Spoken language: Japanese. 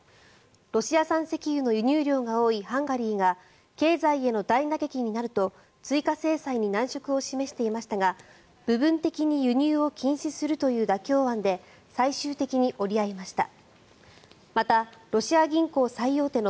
ロシア産石油の輸入量が多いハンガリーが経済への大打撃になると追加制裁に難色を示していましたが部分的に輸入を禁止するという妥協案で最終的に折り合いました。